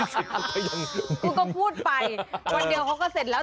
คุณก็พูดไปวันเดียวเขาก็เสร็จแล้ว